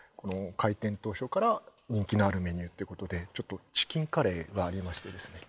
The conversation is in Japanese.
開店当初から人気のあるメニューってことでちょっとチキンカレーがありましてですね